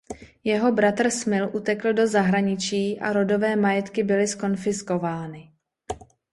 Jeho bratr Smil utekl do zahraničí a rodové majetky byly zkonfiskovány.